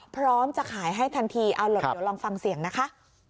พร้อมจะขายให้ทันทีเอาล่ะเดี๋ยวลองฟังเสียงนะคะ